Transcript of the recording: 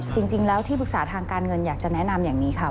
จริงแล้วที่ปรึกษาทางการเงินอยากจะแนะนำอย่างนี้ค่ะ